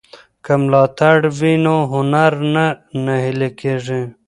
که ملاتړ وي نو هنرمند نه نهیلی کیږي.